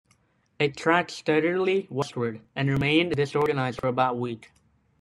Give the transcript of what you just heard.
It tracked steadily westward, and remained disorganized for about week.